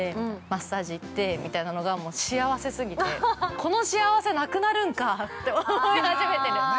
マッサージ行って、みたいなのが、幸せ過ぎて、この幸せなくなるんかって思い始めてる。